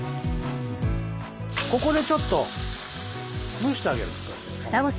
ここでちょっと蒸してあげる。